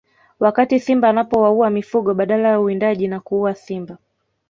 Wakati simba anapowaua mifugo badala ya uwindaji na kuua simba